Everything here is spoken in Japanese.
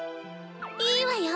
いいわよ！